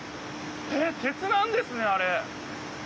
えっ鉄なんですねあれ。